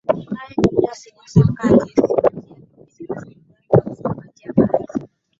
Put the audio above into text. Naye Julius Nyaisangah aliyesimamia vipindi vya burudani na usomaji habari